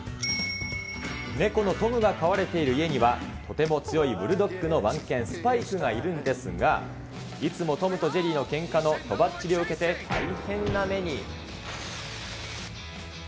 猫のトムが飼われている家には、とても強いブルドッグの番犬、スパイクがいるんですが、いつもトムとジェリーのけんかのとばっちりを受けて、大変な目に。